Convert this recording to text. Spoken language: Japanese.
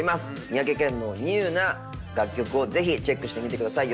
三宅健のＮＥＷＷＷな楽曲をぜひチェックしてみてください。